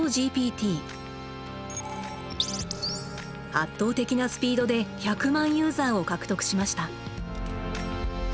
圧倒的なスピードで１００万ユーザーを獲得しました。